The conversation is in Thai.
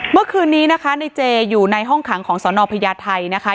เมื่อคืนนี้นะคะในเจอยู่ในห้องขังของสนพญาไทยนะคะ